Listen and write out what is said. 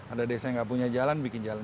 ada desa yang nggak punya jalan bikin jalan